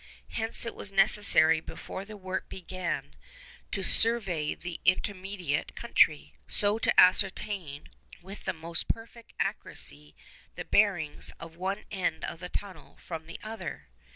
Hence it was necessary before the work began to survey the intermediate country, so as to ascertain with the most perfect accuracy the bearings of one end of the tunnel from the other.